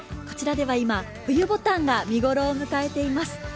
こちらでは今、冬ぼたんが見頃を迎えています。